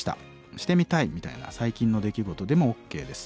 「してみたい」みたいな最近の出来事でもＯＫです。